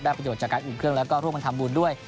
ประโยชน์จากการอุ่นเครื่องแล้วก็ร่วมกันทำบุญด้วย